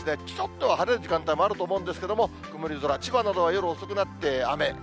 ちょっとは晴れる時間帯もあると思うんですけれども、曇り空、千葉などは夜遅くなって雨。